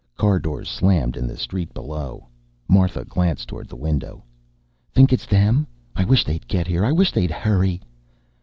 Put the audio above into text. Car doors slammed in the street below. Martha glanced toward the window. "Think it's them? I wish they'd get here. I wish they'd hurry."